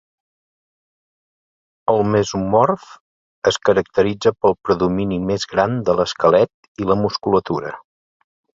El mesomorf es caracteritza pel predomini més gran de l'esquelet i la musculatura.